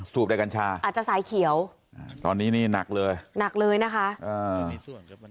สูบใดกัญชาอาจจะสายเขียวอ่าตอนนี้นี่หนักเลยหนักเลยนะคะอ่า